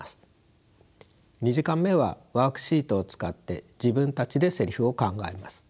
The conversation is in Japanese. ２時間目はワークシートを使って自分たちでせりふを考えます。